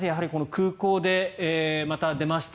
空港でまた出ました。